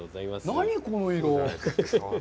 何、この色。